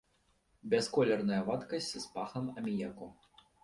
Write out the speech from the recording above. Бясколерная вадкасць з пахам аміяку.